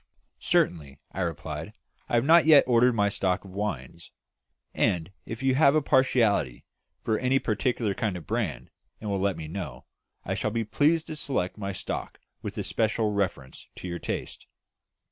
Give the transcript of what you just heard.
"Certainly," I replied. "I have not yet ordered my stock of wines, and if you have a partiality for any particular kind or brand, and will let me know, I shall be pleased to select my stock with especial reference to your taste."